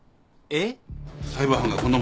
えっ！？